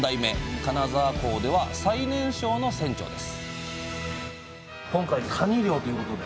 金沢港では最年少の船長です